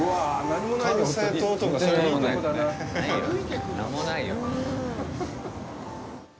何もないよ。